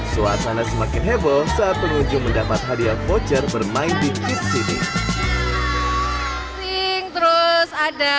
suasana semakin heboh saat pengunjung mendapat hadiah voucher bermain di kit sini terus ada